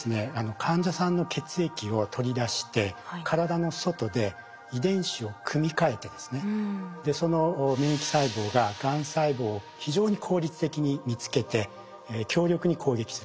患者さんの血液を取り出して体の外で遺伝子を組み換えてですねその免疫細胞ががん細胞を非常に効率的に見つけて強力に攻撃する。